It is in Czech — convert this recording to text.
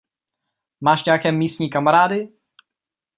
Máš nějaké místní kamarády?